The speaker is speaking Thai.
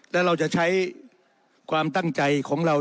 และเราจะใช้ความตั้งใจของเรา